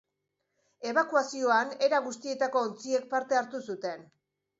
Ebakuazioan era guztietako ontziek parte hartu zuten.